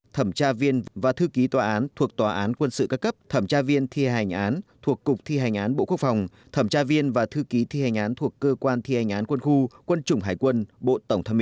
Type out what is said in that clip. thẩm tra viên và thư ký tòa án thuộc tòa án quân sự các cấp thẩm tra viên thi hành án thuộc cục thi hành án bộ quốc phòng thẩm tra viên và thư ký thi hành án thuộc cơ quan thi hành án quân khu quân chủng hải quân tổng thống mỹ